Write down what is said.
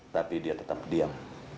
tapi dia tetap diam